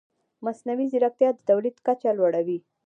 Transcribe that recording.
مصنوعي ځیرکتیا د تولید کچه لوړه وي.